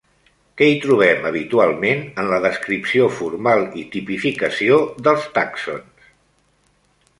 Què hi trobem habitualment en la descripció formal i tipificació dels tàxons?